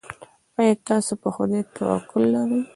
ایا تاسو په خدای توکل لرئ؟